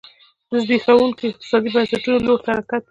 د زبېښونکو اقتصادي بنسټونو لور ته حرکت و